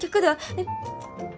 えっ。